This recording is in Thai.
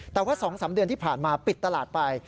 แต่ว่า๒๓เดือนที่ผ่านมาปิดตลาดไป